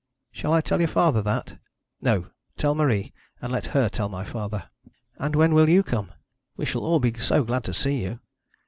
'Shall I tell your father that?' 'No. Tell Marie, and let her tell my father.' 'And when will you come? We shall all be so glad to see you.'